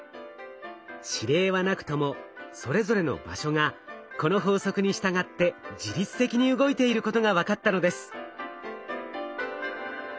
指令はなくともそれぞれの場所がこの法則に従って自律的に動いていることが分かったのです。